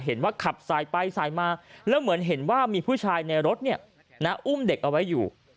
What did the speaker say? เห็นว่าขับสายไปสายมาแล้วเหมือนเห็นว่ามีผู้ชายในรถอุ้มเด็กเอาไว้อยู่